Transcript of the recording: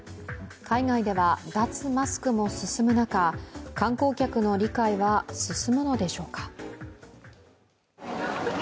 海外では、脱マスクも進む中、観光客の理解は進むのでしょうか。